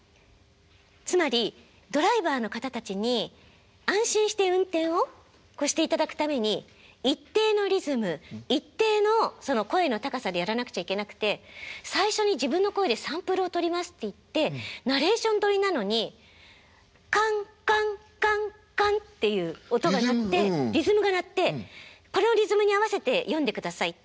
つまりドライバーの方たちに安心して運転をしていただくために一定のリズム一定の声の高さでやらなくちゃいけなくて最初に自分の声でサンプルをとりますっていってナレーションどりなのに「かんかんかんかん」っていう音が鳴ってリズムが鳴って「このリズムに合わせて読んでください」って。